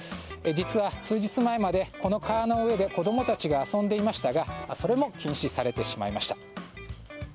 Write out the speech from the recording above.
実は数日前まで、この川の前で子供たちが遊んでいましたがそれも禁止されてしまいました。